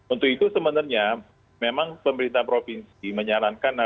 untuk itu sebenarnya memang pemerintah provinsi menyarankan